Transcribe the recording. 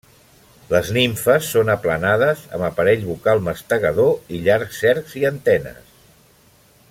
Les nimfes són aplanades, amb aparell bucal mastegador i llargs cercs i antenes.